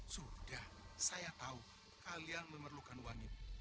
sudah saya tahu kalian memerlukan uang ini